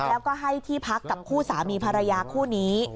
แล้วก็ให้ที่พักกับคู่สามีภรรยาคู่นี้